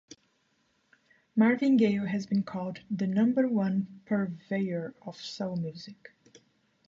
Marvin Gaye has been called "The number-one purveyor of soul music".